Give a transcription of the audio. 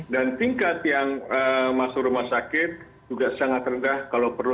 dan tingkat yang masuk rumah sakit juga sangat rendah kalau perlu